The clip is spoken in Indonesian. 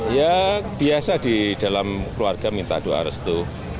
ya biasa di dalam keluarga minta doa restu